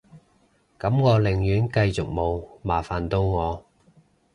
噉我寧願繼續冇，麻煩到我